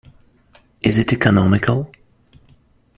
Is it economical?